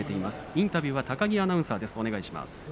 インタビューは高木アナウンサーです。